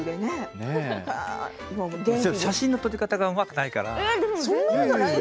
写真の撮り方がうまくないから。